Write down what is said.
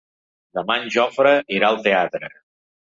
Demà en Jofre irà al teatre.